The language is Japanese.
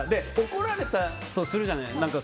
怒られたとするじゃない。